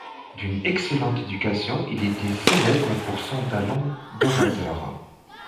D'une excellente éducation, il était célèbre pour son talent d’orateur.